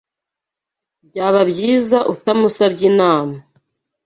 Byaba byiza utamusabye inama.